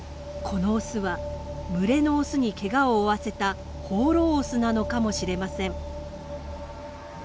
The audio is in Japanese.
このオスは群れのオスにケガを負わせた放浪オスなのかもしれません。